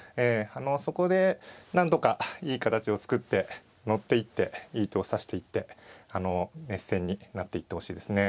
そこでなんとかいい形を作って乗っていっていい手を指していって熱戦になっていってほしいですね。